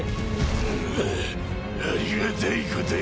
ぐうありがたいことよ。